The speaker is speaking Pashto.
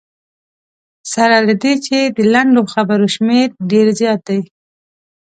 سره له دې چې د لنډو خبرو شمېر ډېر زیات دی.